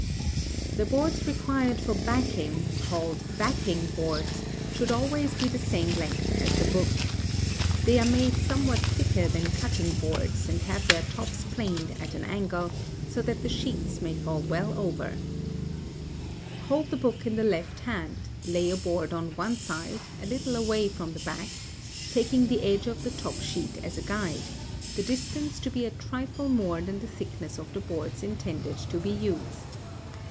The boards required for backing, called backing boards, should always be the same length as the book. They are made somewhat thicker than cutting boards, and have their tops planed at an angle, so that the sheets may fall well over. [Illustration: Backing Hammer.] [Illustration: Before Backing. After Backing.] Hold the book in the left hand, lay a board on one side, a little away from the back, taking the edge of the top sheet as a guide, the distance to be a trifle more than the thickness of the boards intended to be used.